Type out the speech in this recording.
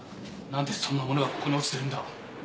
何でそんなものがここに落ちてるんだ？